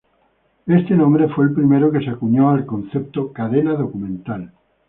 Este nombre fue el primero que se acuñó al concepto "cadena documental".